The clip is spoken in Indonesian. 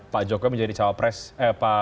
pak jokowi menjadi cawapres eh pak